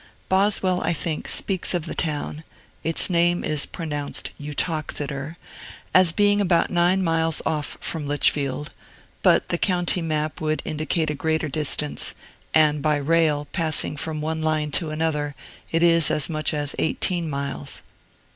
Boswell, I think, speaks of the town (its name is pronounced Yuteoxeter) as being about nine miles off from Lichfield, but the county map would indicate a greater distance; and by rail, passing from one line to another, it is as much as eighteen miles.